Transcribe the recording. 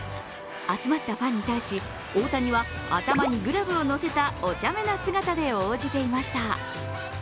集まったファンに対し大谷は頭にグラブを載せたお茶目な姿で応じていました。